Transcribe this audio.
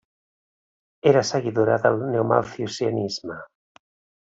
Era seguidora del neomalthusianisme.